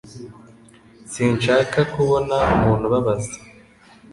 Sinshaka kubona umuntu ubabaza